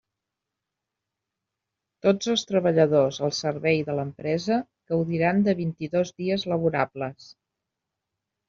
Tots els treballadors al servei de l'empresa gaudiran de vint-i-dos dies laborables.